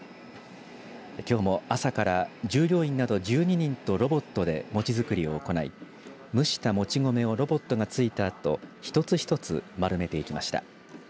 きょうも朝から従業員など１２人とロボットで餅作りを行い蒸したもち米をロボットがついたあと一つ一つ、丸めていきました。